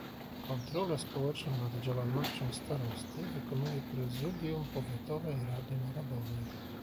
Kontrolę społeczną nad działalnością starosty wykonuje Prezydjum Powiatowej Rady Narodowej.